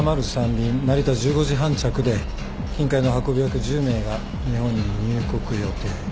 便成田１５時半着で金塊の運び役１０名が日本に入国予定。